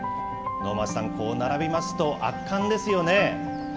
能町さん、こう並びますと、圧巻ですよね。